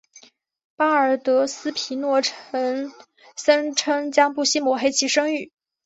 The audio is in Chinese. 巴尔德斯皮诺则声称将不惜抹黑其声誉。